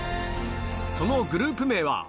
そのグループ名は。